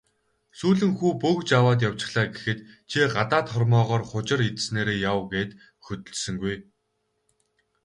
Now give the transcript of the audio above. "Сүүлэн хүү бөгж аваад явчихлаа" гэхэд "Чи гадаад хормойгоор хужир идсэнээрээ яв" гээд хөдөлсөнгүй.